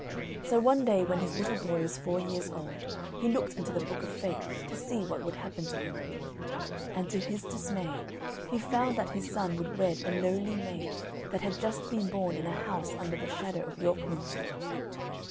So one day, when his little boy was four years old, he looked into the Book of Fate to see what would happen to him. And to his dismay, he found that his son would wed a lowly maid that had just been born in a house under the shadow of York Minster.